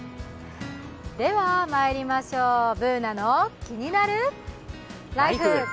ではまいりましょう、「ＢｏｏｎａのキニナルＬＩＦＥ」。